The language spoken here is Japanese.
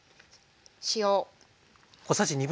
塩。